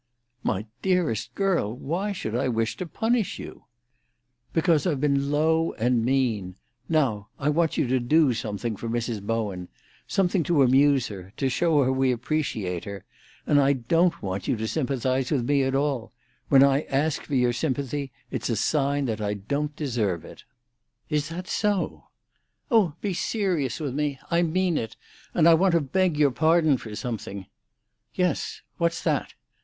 "My dearest girl, why should I wish to punish you?" "Because I've been low and mean. Now I want you to do something for Mrs. don't want you to sympathise with me at all. When I ask for your sympathy, it's a sign that I don't deserve it." "Is that so?" "Oh, be serious with me. I mean it. And I want to beg your pardon for something." "Yes; what's that?"